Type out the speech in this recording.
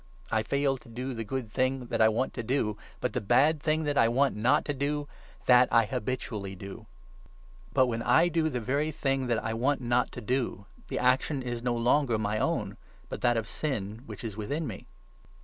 I fail to do the 19 good thing that I want to do, but the bad thing that I want not to do — that I habitually do. But, when I do the very thing 20 that I want not to do, the action is no longer my own, but 7 Exod. 30. 14, 17 ; Dent. 5. 18, 31. ROMANS, 7—8. 361 that of Sin which is within me.